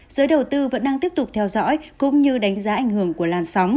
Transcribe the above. giới đầu tư vẫn đang tiếp tục theo dõi cũng như đánh giá ảnh hưởng của làn sóng